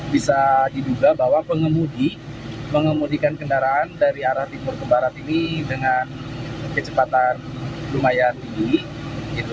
bisa diduga bahwa pengemudi mengemudikan kendaraan dari arah timur ke barat ini dengan kecepatan lumayan tinggi